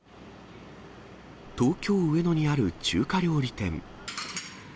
東京・上野にある中華料理店。